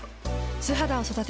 素肌を育てる。